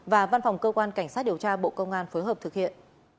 và văn phòng cơ quan cảnh sát điều tra bộ công an phối hợp thực hiện